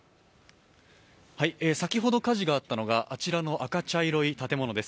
先ほど火事があったのはあちらの赤茶色の建物です。